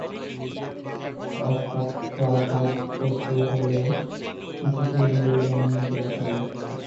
অসত্রাঘাত করতে হল, শিশুকে মেরে জননীকে বাঁচালে।